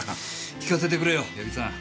聞かせてくれよ矢木さん。